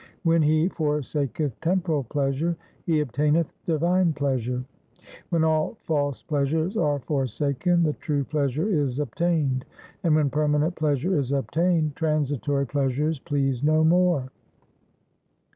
When he forsaketh temporal pleasure he obtaineth divine pleasure. When all false pleasures are forsaken, the true pleasure is obtained ; and when permanent pleasure is obtained, transitory pleasures please no more.